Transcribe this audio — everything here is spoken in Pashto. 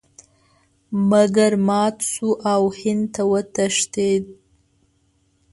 مګر مات شو او هند ته وتښتېد.